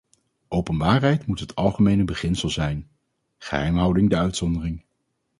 Openbaarheid moet het algemene beginsel zijn, geheimhouding de uitzondering.